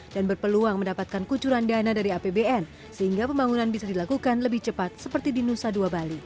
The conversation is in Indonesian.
dan berpeluang mendapatkan kucuran dana dari apbn sehingga pembangunan bisa dilakukan lebih cepat seperti di nusa dua bali